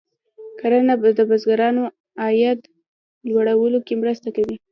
کرنه د بزګرانو د عاید لوړولو کې مرسته کوي.